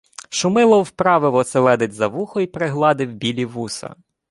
Шумило вправив оселедець за вухо й пригладив білі вуса.